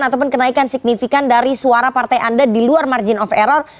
ataupun kenaikan signifikan dari suara partai anda di luar margin of error